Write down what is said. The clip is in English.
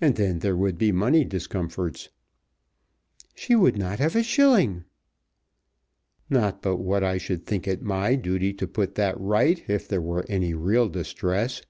And then there would be money discomforts." "She would not have a shilling." "Not but what I should think it my duty to put that right if there were any real distress."